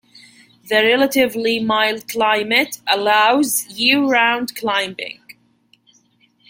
The relatively mild climate allows year-round climbing.